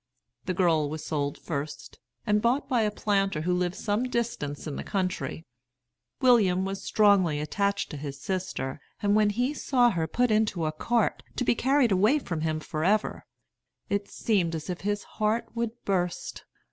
The girl was sold first, and bought by a planter who lived some distance in the country. William was strongly attached to his sister; and when he saw her put into a cart, to be carried away from him forever, it seemed as if his heart would burst.